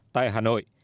tại hà nội